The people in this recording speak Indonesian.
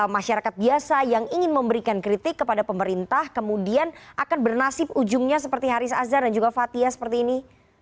masyarakat biasa yang ingin memberikan kritik kepada pemerintah kemudian akan bernasib ujungnya seperti haris azhar dan juga fathia seperti ini